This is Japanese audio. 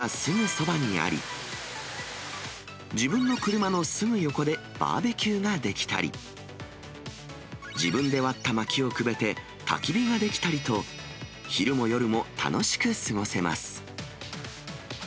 自然豊かな場所がすぐそばにあり、自分の車のすぐ横でバーベキューができたり、自分で割ったまきをくべて、たき火ができたりと、昼も夜も楽しく過ごせます。